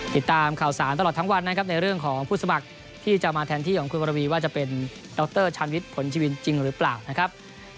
ติดตามข่าวสารตลอดทั้งวันนะครับในเรื่องของผู้สมัครที่จะมาแทนที่ของคุณวรวีว่าจะเป็นดรชันวิทย์ผลชวินจริงหรือเปล่านะครับ